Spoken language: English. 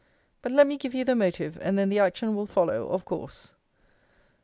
But let me give you the motive, and then the action will follow of course.